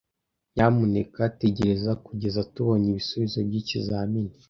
Nyamuneka tegereza kugeza tubonye ibisubizo by'ikizamini.